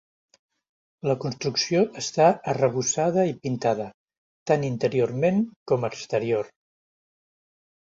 La construcció està arrebossada i pintada, tant interiorment com exterior.